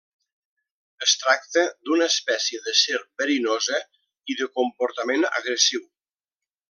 Es tracta d'una espècie de serp verinosa i de comportament agressiu.